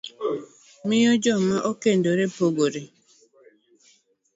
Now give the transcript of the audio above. miyo joma okendore pogore.